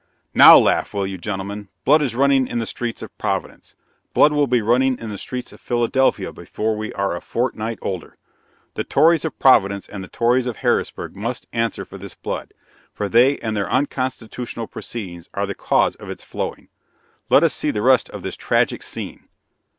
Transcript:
"Now laugh, will you, gentlemen? Blood is running in the streets of Providence; blood will be running in the streets of Philadelphia before you are a fortnight older! The tories of Providence and the tories of Harrisburg must answer for this blood, for they and their unconstitutional proceedings are the cause of its flowing! Let us see the rest of this tragic scene."